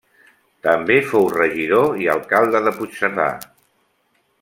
També fou regidor i alcalde de Puigcerdà.